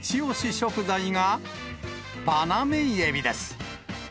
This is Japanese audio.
食材が、バナメイエビです。